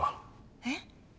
えっ？